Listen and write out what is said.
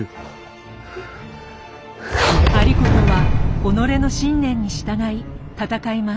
有功は己の信念に従い戦います。